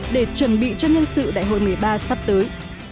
để chuẩn bị cho nhân sự đại hội một mươi ba sắp tới